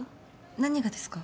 何がですか？